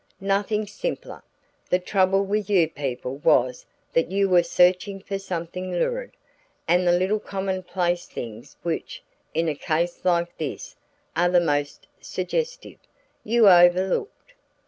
"Nothing simpler. The trouble with you people was that you were searching for something lurid, and the little common place things which, in a case like this, are the most suggestive, you overlooked.